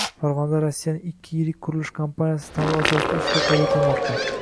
Farg‘onada Rossiyaning ikki yirik qurilish kompaniyasi tanlov asosida ishga qabul qilmoqda